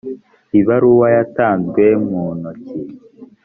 ibaruwa yatanzwe mu ntoki